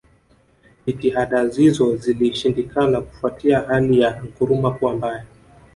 Jitihada hizo zilishindikana kufuatia hali ya Nkrumah Kuwa mbaya